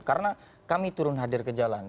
karena kami turun hadir ke jalan